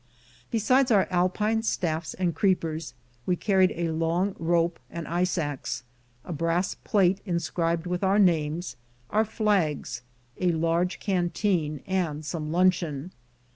Be sides our Alpine staffs and creepers, we carried a long rope, and ice axe, a brass plate inscribed with our names, our flags, a large canteen, and some luncheon.